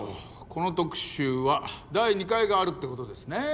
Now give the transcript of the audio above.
この特集は第２回があるってことですね？